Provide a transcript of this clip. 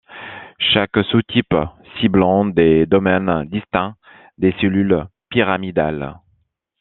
Chaque sous-type ciblant des domaines distincts des cellules pyramidales.